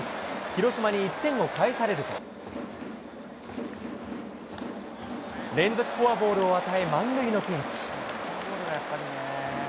広島に１点を返されると、連続フォアボールを与え、満塁のピンチ。